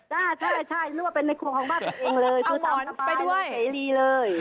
ได้คิดว่าเป็นในครัวของบ้านตัวเองเลย